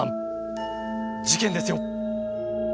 事件ですよ。